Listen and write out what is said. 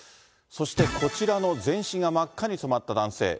そしてこちらの全身が真っ赤に染まった男性。